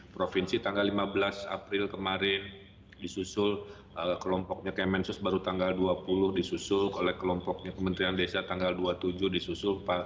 provinsi tanggal lima belas april kemarin disusul kelompoknya kemensus baru tanggal dua puluh disusul oleh kelompoknya kementerian desa tanggal dua puluh tujuh disusul